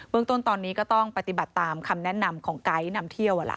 ต้นตอนนี้ก็ต้องปฏิบัติตามคำแนะนำของไกด์นำเที่ยว